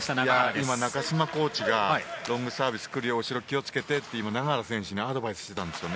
今、中島コーチがロングサービスくるよ後ろ気を付けてって永原選手にアドバイスしてたんですよね。